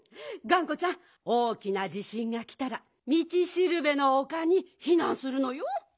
がんこちゃんおおきなじしんがきたらみちしるべのおかにひなんするのよ。